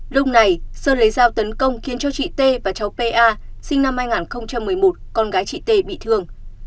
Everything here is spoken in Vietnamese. lúc này sơn lấy dao tấn công khiến cho chị t và cháu pa sinh năm hai nghìn một mươi một con gái chị t bị thương